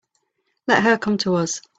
Let her come to us.